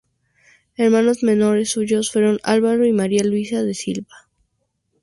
Hermanos menores suyos fueron Álvaro y María Luisa de Silva.